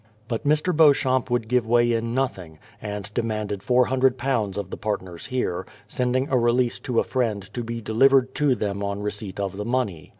But Mr. Beauchamp would give way in nothing, and de manded £400 of the partners here, sending a release to a friend to be delivered to them on receipt of the money.